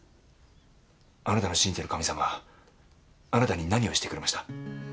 あなたの信じてる神様はあなたに何をしてくれました？